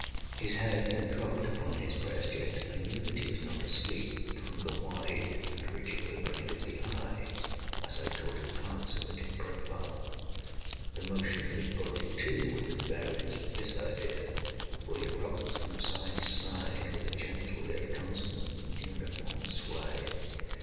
His head had dropped upon his breast—yet I knew that he was not asleep, from the wide and rigid opening of the eye as I caught a glance of it in profile. The motion of his body, too, was at variance with this idea—for he rocked from side to side with a gentle yet constant and uniform sway.